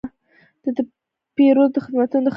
د پیرود خدمتونه د خلکو خوښ دي.